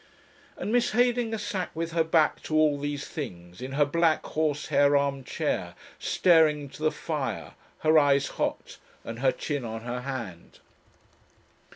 And Miss Heydinger sat with her back to all these things, in her black horse hair arm chair, staring into the fire, her eyes hot, and her chin on her hand.